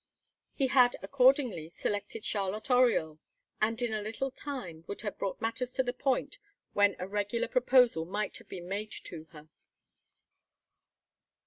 He had accordingly selected Charlotte Oriol; and in a little time would have brought matters to the point when a regular proposal might have been made to her.